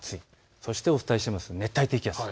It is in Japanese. そしてお伝えします、熱帯低気圧。